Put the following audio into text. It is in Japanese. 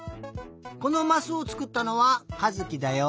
このマスをつくったのはかずきだよ。